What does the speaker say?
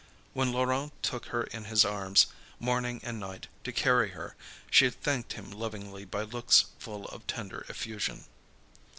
When Laurent took her in his arms, morning and night, to carry her, she thanked him lovingly by looks full of tender effusion.